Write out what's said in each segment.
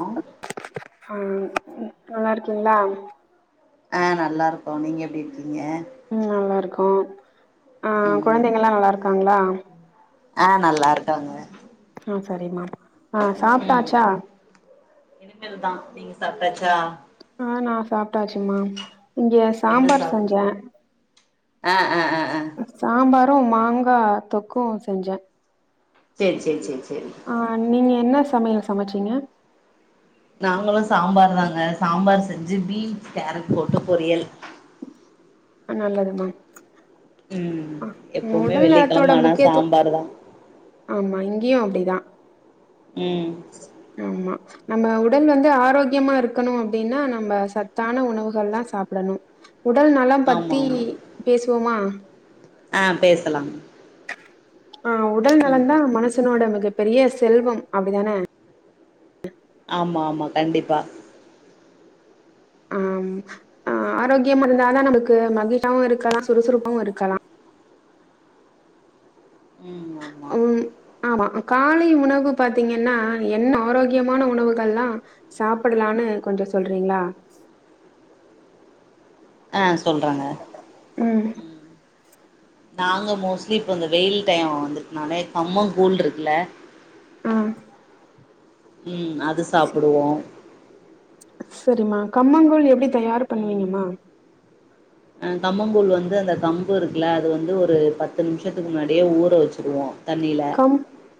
hello ஆஹ் நல்லா இருக்கீங்களா ஆஹ் நல்லா இருக்கோ நீங்க எப்டி இருக்கீங்க உம் நல்லா இருக்கோ ஆஹ் குழந்தைங்கல்லா நல்லா இருக்காங்களா ஆஹ் நல்லா இருக்காங்க ஆ சரிம்மா ஆஹ் ம் சாப்டாச்சா சாப்டாச்சா ஆஹ் நா சாப்பிட்டாச்சுமா இங்க சாம்பார் செஞ்சே ஆஹ் சாம்பார் ம் மாங்காய் தொக்கும் செஞ்சே சேரி சேரி சேரி சேரி ஆஹ் நீங்க என்ன சமையல் சமைச்சீங்க நாங்களும் சாம்பார் தாங்க சாம்பார் செஞ்சு பீன்ஸ் கேரட் போட்டு பொரியல் நல்லதுமா உம் ஆ எப்பவுமே உடல் நலத்தோட வெள்ளிக்கிழம ஆனா முக்கியத்து சாம்பார் தான் ஆமா இங்கேயும் அப்படிதான் உம் நம்ம உடல் வந்து ஆரோக்கியமா இருக்கணும் அப்படின்னா நம்ம சத்தான உணவுகள் தான் சாப்பிடணும் உடல் நலம் பத்தி பேசுவோமா ஆஹ் பேசலாம் ஆஹ் உடல் ம் நலன் தான் மனுசனோட மிக பெரிய செல்வம் அப்டித்தானே ஆமா ஆமா கண்டிப்பா ஆமா ஆரோக்கியமா இருந்தாதான் நமக்கு மகிழ்ச்சியவும் இருக்கலாம் சுறுசுறுப்பாவவும் இருக்கலாம் உம் உம் ஆமா காலை உணவு பாத்தீங்கன்னா என்ன ஆரோக்கியமான உணவுகல்லாம் சாப்பிடலான்னு கொஞ்சம் சொல்றீங்களா ஆஹ் சொல்றங்க ம் நாங்க மோஸ்ட்லி இப்ப இந்த வெயில் டைம் வந்துட்னாலே கம்பங்கூழ் இருக்குல்ல ம்ம் உம் அது சாப்பிடுவோம் சரிம்மா கம்பங்கூழ் எப்டி தயார் பண்ணுவீங்கமா அஹ் கமங்கூழ் வந்து அந்த கம்பு இருக்குல்ல அது வந்து ஒரு பத்து நிமிஷத்துக்கு முன்னாடியே ஊற வச்சிருவோம் கம்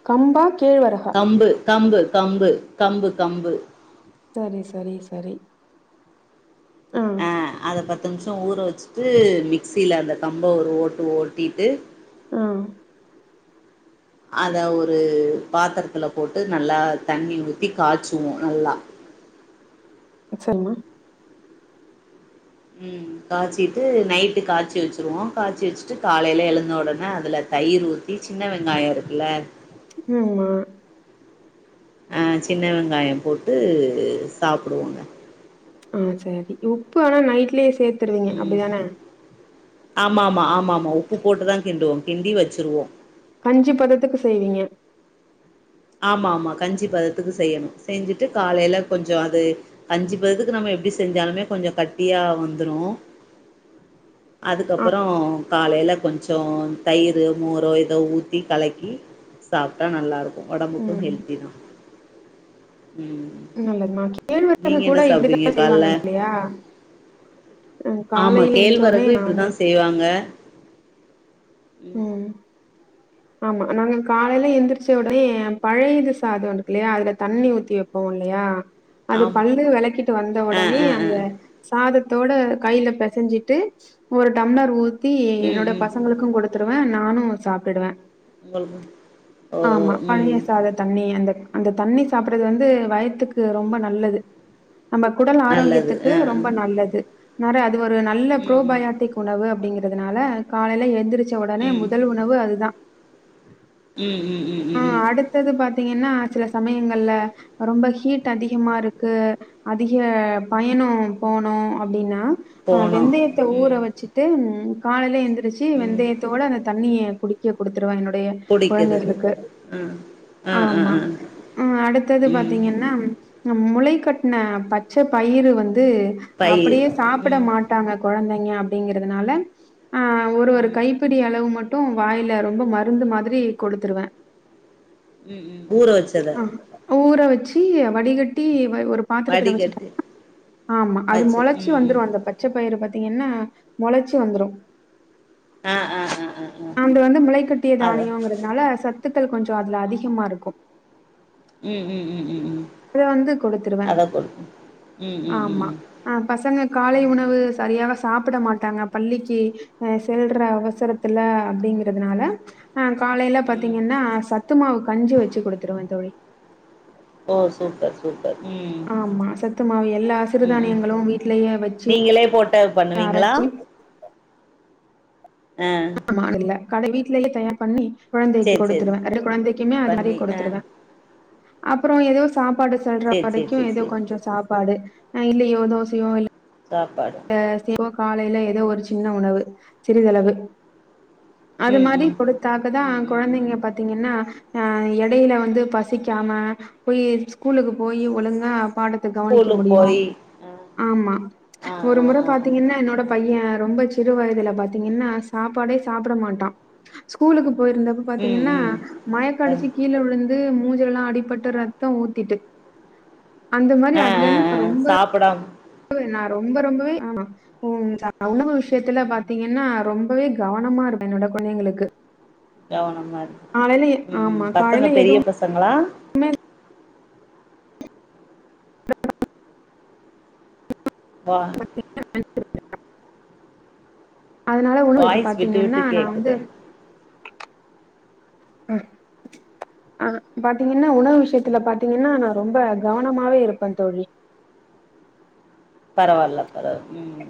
கம்பா கேழ்வரக கம்பு கம்பு கம்பு கம்பு கம்பு சரி சரி சரி ஆஹ் ஆ அத பத்து நிமிஷம் ஊற வச்சிட்டு மிக்சியில அந்த கம்ப ஒரு ஓட்டு ஓட்டிட்டு உஹம் அத ஒரு பாத்திரத்துல போட்டு நல்லா தண்ணி ஊத்தி காய்ச்சுவோம் நல்லா சொல்மா உம் காய்ச்சிட்டு நைட்டு காய்ச்ச வச்சிருவோம் காய்ச்ச வச்சுட்டு காலையில எழுந்த உடனே அதுல தயிர் ஊத்தி சின்ன வெங்காயம் இருக்குல்ல ஆமா அஹ் சின்ன வெங்காயம் போட்டு சாப்பிடுவோங்க ஆஹ் சரி உப்பு வேணா நைட்டுலே சேர்த்துருவீங்க ம் அப்டிதானே ஆமா ஆமா ஆமா ஆமாமா உப்பு போட்டுதான் கிண்டுவோம் கிண்டி வச்சிருவோம் கஞ்சி பதத்துக்கு செய்வீங்க ஆமா ஆமா கஞ்சி பதத்துக்கு செய்யணும் செஞ்சுட்டு காலையில கொஞ்சம் அது கஞ்சி பதத்துக்கு நம்ம எப்டி செஞ்சாலுமே கொஞ்சம் கட்டியா வந்துடும் ஆ அதுக்கப்புறம் காலையில கொஞ்சம் தயிர் மோரோ ஏதோ ஊத்தி கலக்கி சாப்பிட்டா நல்லா இருக் உடம்புக்கும் ம் ஹல்த்திதா நல்லதுமா கேழ்வரகு நீங்க என்ன கூட சாப்டுவீங்க இப்டித்தான் செய்வாங்க கால்ல இல்லையா உஹ ஆமா காலையில எந்திச்ச உடனே கேழ்வரகு நான் இப்டிதா வந்து செய்வாங்க ம் உஹம் ஆமா நாங்க காலையில எந்திரிச்ச உடனே பழையது சாதம் இருக்கு இல்லையா அதுல தண்ணி ஊத்தி வைப்போம் இல்லையா அது ஆம் பல்லு விளக்கிட்டு வந்த ஆ உடனே ஆ ஆ அந்த சாத த்தோட கையில பிசைஞ்சிட்டு ஒரு டம்ளர் ஊ த்தி ம் என்னோட ம் பசங்களுக்கும் கொடுத்து சத்துருவேன் நானும் சாப்பிடுவேன் உங்களுக்கு ஓ ஓ ஆமா பழைய ம் சாத தண்ணி அந்த அந்த தண்ணி சாப்படுறது வந்து வயத்துக்கு ரொம்ப நல்லது நம்ம குடல் நல்லது ஆரோக்கியத்துக்கு ஆ ஆ ரொம்ப நல்லது நிறைய ஒரு நல்ல ம் ம் பு்ரோபயாட்டிக் உணவு அப்படிங்கிறது அதனால காலையில எழுந்திரிச்சு உடனே முதல் உணவு அதுதான் உம் உம் உம் உம் உம் பா்த்தீங்கன்னா சில சமயங்கள்ல ரொம்ப ஹீட் அதிகமா இருக்கு அதிக பயணம் போனும் அப்படின்னா ஆஹ் போனோ வெந்தயத்த ஊற ம் வச்சிட்டு உ காலைல எந்த ச்ச ம் வெந்தயத்தோட அந்த தண்ணியே குடிக்க கொத்துருவா புடிக்கிறது குழந்தைகளுக்கு ஆ ஆ ஆ ஆமா ஆ அடுத்தது ம் பாத்தீங்கன்னா முளை கட்டின பச்சை பயி வந்து பயிர் அப்படியே சாப்பிட ம் மாட்டாங்க குழந்தைங்க அப்படிங்கறிறதுனால ஆஹ ஒரு ஒரு ம் கைப்பிடி அளவு மட்டும் வாயில் ரொம்ப மருந்து மாதிரி கொடுத்துருவேன் உம் ஊற வச்சத அ ஊற வச்சு வடிகட்டி ஒரு பாத்திரத்தில் வச்சட்ட வடிகட்டி ஆமா அது வச்சு முளைச்சு ம் ம் வந்துரும் அந்த பச்சை பயிரு பத்த பாத்தீங்கன்னா முளைச்சி வந்துரும் ஆஹ் ஆஹ் ஆஹ் ஆஹ் ஆஹ் கொண்டு வந்து முளைகட்டிய தானியம்ங்கிறதுனால ச த்துத்த கொஞ்சம் அதுல அதிகமா இருக்கும் ம் ம் ம் ம் ம் அத வந்து கொடுத்துருவேன் அத கொடுக்கு ம் ம் ஆமா ம் ஆஹ் பசங்க ம் காலை ம் உணவு சரியான சாப்பிட மாட்டாங்க பள்ளிக்கு செல்ற அவசரத்துல அப்படிங்கற னால ஆஹ் காலையில ம் பாாரத்தீங்கன்னா சத்துமாவு கஞ்சி வச்சு கொடுத்துருவேன் த தொழி ஓ சூப்பர் சூப்பது ஆமா சத்துமவு எல்லா அசு ம் ம் தானியங்களும் வீட்லயே வச்சு நீங்களே போட்டு பண்ணுவீங்களா அரைச்சு ஆ ஆமால கடை வீட்லேயே தயார் பண்ணி குழந்தைக்கு சேரி சேரி கொடுத்துருவேன் குழந்தைக்குமே அது மாதிரியே பண்ணி ஆ கொடுத்துருவேன் அப்புறம் ஏதோ சாப்ப பாடு செல்ற சேரி சேரி வரைக்கும் சேரி ஏதோ சேரி கொஞ்சம் சாப்பிட பாடு ஆஹ் இல்லையோ தோசையோ எல்ல சப்பம் காலையில ஏதோ ஒரு சின்ன உணவு சிறிதளவு அது ம் மாதிரி ம் ம் கொடுத்தாகதான் ம் ம் குழந்தைங்க ம் பாத்தீங்கன்னா ஹ எடையில வந்து பசிக்காம போய் ஸ்கூலுக்கு போய் ஒழுங்க பாடத்தை கவனிக்க ஸ்கூலுக்கு முடியும் போய் ஆ ஆமா ஆ ஒரு ஆ முறை ஆ ஆ பாத்தீங்கன்னா என்னோட பையன் ரொம்ப சிறு வயதுல பாாரத்தீங்கன்னா சாப்பாடே சாப்பிட மாட்டான் ஸ்கூலுக்கு போயிருந்தப்ப ம் ம் பாத்தீங்கன்னா ம் மயக்கடைசி கீழே விழுந்து மூஞ்சல்லாம் அடிபட்டு ரத்தம் ஊத்திட்டு அந்த மாதிரி ஆ அதுல ஆ இருந்து ஆ நான் ரொம்ப சாப்பிடாம நான் ரொம்ப ரொம்பவே உ உணவு விஷயத்துல ம் பாத்தீங்கன்னா ரொம்பவே கவனமா இருப்பேன் என்னோட குழைங்களுக்கு கவன மா இருி உம் பசங்க பெரிய பசங்களா உ வா அதனால உங்கங்கத்த வாய்ஸ் பாத்தீங்க விட்டு என்ன விட்டு நான் வந்து கேக்குதே அஹ் பாத்தீங்கன்னா என்ன உணவு ம் விஷயத்துல பாாரத்தீங்கன்னா ரொம்ப கவனமாவே இருப்பேன் தோழ பரவாயில்ல உம்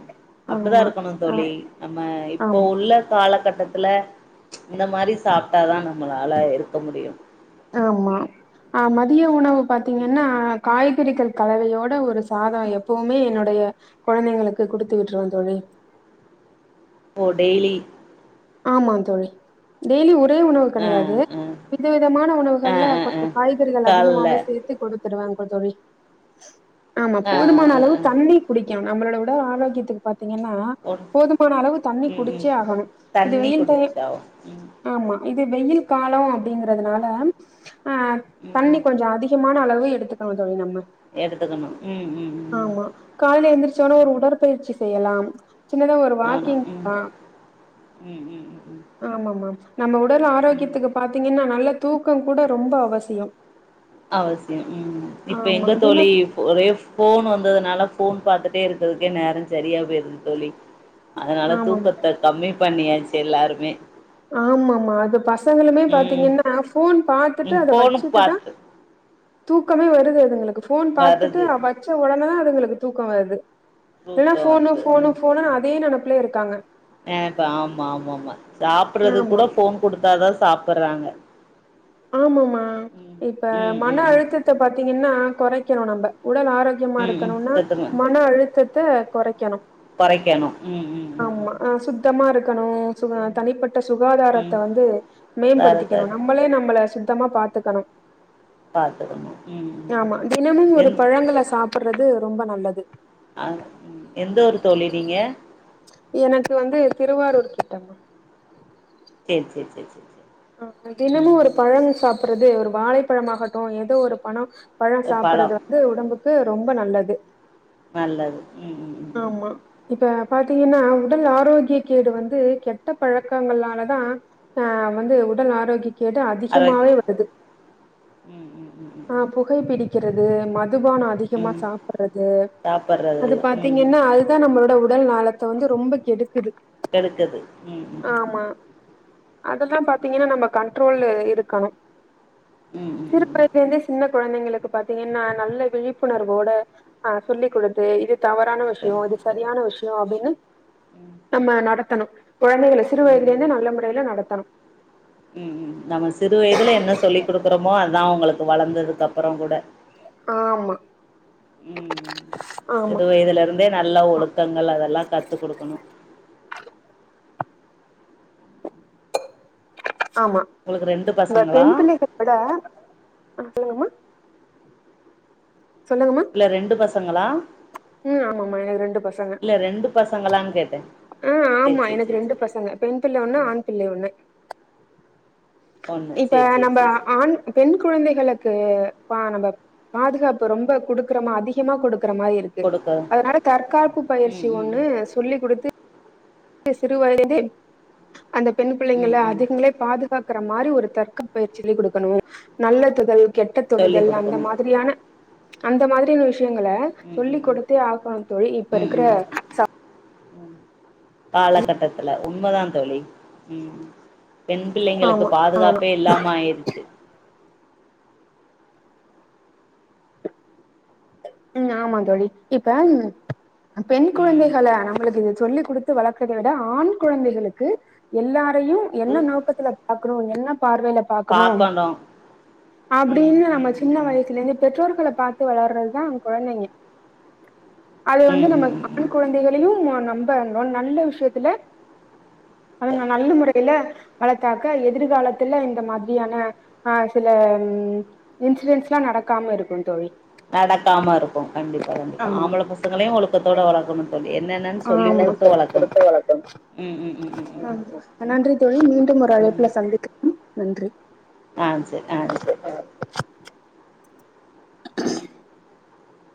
அப்படிதான் ஆமா இருக்கணும் ஆ தோழி நம்ம இப்போ ஆம் உள்ள காலகட்ட பத்துல இந்த மாதிரி சாப்பிட்டா தான ஆமா ஆஹ் மதிய உணவு ம் பாார்த்தீங்கன்னா காய க்கிரக்கல் தலைவையோட ஒரு சாதா எப்பவுமே என்னுடைய குழந்தைங்களுக்கு குடுத்து விட்டுருவோம் த தொழில் உடலி ஆமா தோழி டெய்லி தியா உணவு ஆ கிடையாது ஆ விதவிதமான ஆ உணவுகளல ஆ கொஞ்ச ஆ காய்கறிகள் கால்ல அதிகமாகாவ சேர்த்து கொடுத்து திருவான்கூர் தோழி ஆமா ஆ ஆ போதுமான ஆ அளவு ஆ தண்ணீர் குடிக்கும் நம்மளோட உடல் ஆரோகியத்துக்கு பாத்து பாத்தீங்கன்னா ஒன் போதுமான அளவு தண்ணிர் ம் ம் குடிச்சே ஆகணும் தண்ணி குடிச்சாவ உம் இது வெயில் காலம் அப்படிங்கறதுனால ஆஹ் ம் தண்ணி ம் கொஞ்சம் அதிகமா அளவு எடுத்துக்கணும் தோழி நம்ம எடுத்துக்கணும் ம் ம் ம் ஆமா கால எழுந்திரிசோனா ஒரு உடற்பயிற்சி செய்யலாம் சின்னதா ஒரு ஆமா வாக்கிங் ம் ஆஹ் ம் ம் ம் ஆமாம நம்ம உடல் ம் ம் ஆரோக்கியத்துக்கு பாத்தீங் நல்ல தூக்கம் கூட ரொம்ப அவசியம் அவசியம் உம் இப்ப ஆமா எங்க தின தோழி ஒரே போன் வந் இருந்ததுனால போன் பாத்துட்டே இருக்கதுக்கே நேரம் சரியா போயிருது தோழி அதனால ஆமாமா தூக்கத்த கம்மி பண்ணியாச்சி எல்லாருமே ஆமா ஆமா அது பசங்களுமே ம் பாத்தீங்கன்னா போன் பாத்துட்டு ம் அத ஃபோனு வச்சுட்டுதான் பாத்து தூக்கமே வருது அதுங்களுக்கு போன் பாத்துட்டு வருது அ வச்ச உடனே பசங்களுக்கு தூக்கம் வருது எல்லா தூக்கோ போனு வருது போனு போனு அதே நெனப்புல இருக் க்காங்க ஆஹ்ப ஆமா ஆமா ஆமா சாப்பிடறது ஆமா கூட போன் கொடுத்தாதான் சாப் போடுறாங்க ஆமாம இப்ப ம் மன ம் ம் அழுத்தத்த பாத்தீங்கன்னா குறக்கிணும் நம்ப உடல் ஆரோக்கியமா ம் ம் இருக்கணும்னா மன அழுத்தத்த குறைக்கணும் குறைக்கணும் உம் உம் உம் க்கனு சுக தனிப்பட்ட சுகாதாரத்த ம் வந்து வேற சார் மேம்படுத்திக்கணும் நம்மளே நம்ம சுத்தமா பாத்துக்கணும் பாத்துக்கணு ம் ஆமா ம் தினமும் ஒரு என் பழங்கள சாப் சாப்டுறது ரொம்ப நல்லது அஹ் எந்த ஊரு தோழி நீங்க எனக்கு வந்து திருவாரூர் கிட்ட மா சேரி சேரி சேரி சேரி ஆஹ் ம் தினமும் ஒரு பழங்க சாப் அப்புறது ஒரு வாழைப்பழமாகட்டும் ஏதோ ஒரு பண பழம் சாப்படுறது வந்து உடம்புக்கு ரொம் ரொம்ப நல்லது நல்லது உம் உம் உம் உம் ஆமா இப்ப பாத்தீங்கன்னா உடல் ஆரோக்கிய கேடு வந்து கெட்ட பழக்கங்களால தான் ஆஹ் வந்து உடல் ஆரோக்கிய கேட்டு அதிகமே ஆரோக்கியம் வருது ம் ம் ம் ம் ஆஹ புகை பிடிக் கிறது மாட் மதுபான அதிகமா ம் ம் சாபறது சாப்பட்றது அது ம் பாத்திங்கன்னா அதுதா நம்மளோட உ உடல் நாலத்த வந்து ரொம்ப கெடுக்குது கெடுக்குது ம் ம் ம் அதெலாபாத்திங்கனாக் நம்ப கண்ட்ரோல்ல இருக்கணும் ம் ம் ம் ம் [unintelligible] சின்ன குழந்தைங்களுகு பாத்திங்கன்னா நல்ல விழிப்புணர்வோட ஆஹ சொல்லிக் கொடுத்து இது தவறான விஷய சரி இது சரியான விஷய அப்டின்னு ம் ம் நம்ம நடத் தனே குழந்தைகளசிறு வயதுலேருந்து நல்ல முறையில நடத்தணும் ம் ம் ம் நம சிறு வயதுல என்ன சொல்லிக்கொடுக்குறோமோ அதா அவங்களுக் வளந்ததுக்கு அப்புறம் கூட ஆமா ம் ம் ஆமா சிறு வயதுல யிருந்தே நல்ல ஒழுக்கங்கள அதெல்லாகத்து கொடுக்கணே ஆம்மா உங்களுக்கு ரெண்டு இந்த பசங்களா பெண் பிள்ளைகளோட ஆஹ் என்னங்கமா யில்ல ரெண்டு பசங் ப்சங்களா ம் ஆம்மா மா எனகு ரெண்டு பசங்க ரெண்டு பசங்களான்னு கேட்டே ம் ஆஹ சேரி ஆம்மா சேரி எனக்கு சேரி ரெண்டு சேரி பசக பெண் பிள்ளை ஒண்ணு ம் ஆண் பிள்ளை ஒண்ணு ஒண்ணு இப்ப சேரி சேரி நம் சேரி சேரி ஆண் பெண் குழந்தைகளுக்கே ப்ப நம்ப பாதுகாப்பு ரொம்ப குடுக்கறமா அதிகமா குடு க்குற மாரி இருக்கு கொடுக்க அதனால தற்காப்பு பயிற்சி ம் ம் ஒன்னு சொல்லிக் குடுத்து அ சிறு [inaudible] அந்த பெண் ம் பிள்ளைங்கள ம் ம் அதுகங்களே பாதுகாக் கற மாரி ஒரு தற்காப்பு பயிற்சி சொல்லி குடுக்கணு நல்ல தொடுதல் கெட்ட சொல்லி் தொடுதல் அந்த கொடுக்கணு மாதிரியான அந்த மாதிரியான வி ஷயங்கள ம் ம் சொல்லிக் ம் கொடுத்தே ஆகணு தோழி இப்ப ம் இருக்கற ம் ச ம் காலகட்டதுல உண்மதா தோழி ம் பெண் பிள்ளைங்களுக்கு ஆமா பாதுகாப்பே இல்லாம ஆயிருச்சு ம் ஆமா தோழி இப்ப அ பெண் ம் குழந்தைகள நம்மளுக்கு இது சொல்லி குடுத்து வளர்க்கறதுலதா ஆண் குழந்தைகளுக்கு எல்லா த்தையு என்ன நோக்கத்துல பாக்கறோ என்ன பார்வைல பாக்கணு ம் அப்டின்னு நம்ம ம் சின்ன ம் ம் வயசல இருந்து பெற்றோர்கள பாத்து வளர்றது தா கொழந்தைங்க அது வந்து ம் நம்ம ம் ம் ஆண் ம் குழந்தைகளையு நம்ம நம்பணு நல்ல விஷயத்துல அதுங்க நல்ல முறைல வளத்தாக்கா எதிர்காலத்துல இந்த மாதிரியான ஆஹ் சில இன்சிடென்ஸ்லா நடக்காம இருக்கும் தோழி நடக்காம இருக்கு கண்டிப்பா கண்டிப்பா ஆமா ஆம்பள பசங்களையு ஒழுக்கத்தோட வளக்கணு தோழி என்ன ஆமா ம் ம் ம் ம் ம் ஆ நன்றி தோழி மீண்டும் ஒரு ம் ம் அழைப்புல சந்திக்கலா நன்றி ஆ சரி ஆ சரி